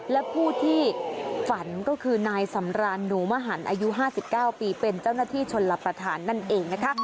และผู้ที่ฝันก็คือนายสำรานหนูมหันอายุ๕๙ปีเป็นเจ้าหน้าที่ชนรับประทานนั่นเองนะคะ